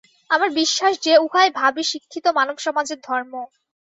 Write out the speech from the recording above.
আমার বিশ্বাস যে, উহাই ভাবী শিক্ষিত মানবসমাজের ধর্ম।